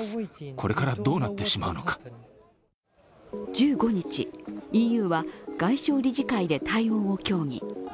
１５日、ＥＵは外相理事会で対応を協議。